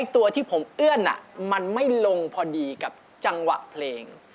ตัวที่ผมเอื้อนมันไม่ลงพอดีกับจังหวะเพลง